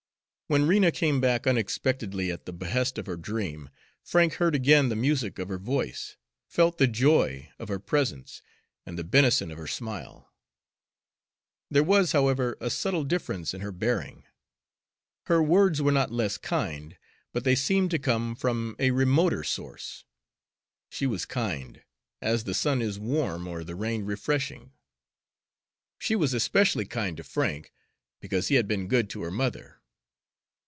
When Rena came back unexpectedly at the behest of her dream, Frank heard again the music of her voice, felt the joy of her presence and the benison of her smile. There was, however, a subtle difference in her bearing. Her words were not less kind, but they seemed to come from a remoter source. She was kind, as the sun is warm or the rain refreshing; she was especially kind to Frank, because he had been good to her mother.